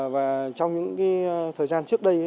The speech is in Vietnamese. và trong những thời gian trước đây